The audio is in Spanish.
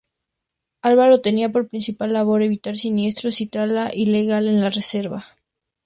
Alvarado tenía por principal labor evitar siniestros y tala ilegal en la reserva.